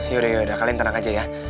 yaudah yaudah kalian tenang aja ya